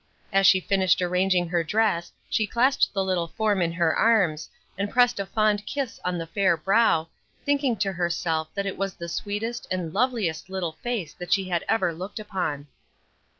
As she finished arranging her dress she clasped the little form in her arms, and pressed a fond kiss on the fair brow, thinking to herself that was the sweetest and loveliest little face she had ever looked upon.